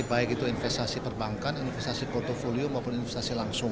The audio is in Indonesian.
baik itu investasi perbankan investasi portfolio maupun investasi langsung